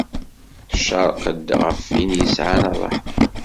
Tcerq-d ɣef win yesɛan ṛṛeḥma.